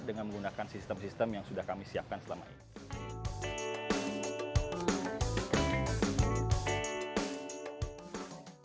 dengan menggunakan sistem sistem yang sudah kami siapkan selama ini